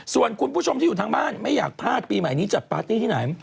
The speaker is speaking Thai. ส่วนคุณผู้ชมที่อยู่ทางบ้านไม่อยากพลาดปีใหม่นี้จัดปาร์ตี้ที่ไหน